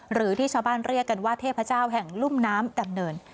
หรือที่ชาวบ้านเรียกกันว่าเทพเจ้าแห่งลุ่มน้ำดำเนิน